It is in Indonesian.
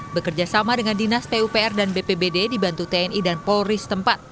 bekerja sama dengan dinas pupr dan bpbd dibantu tni dan polri setempat